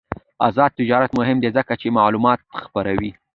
آزاد تجارت مهم دی ځکه چې معلومات خپروي.